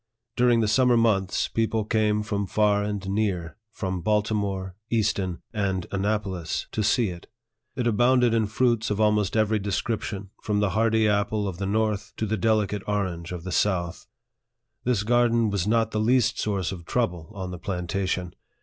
During the summer months, people came from far and near from Baltimore, Easton, and Annapolis to see it. It abounded in fruits of almost every description, from the hardy apple of the north to the delicate orange of the south. This garden was not the least source of trouble on the plantation.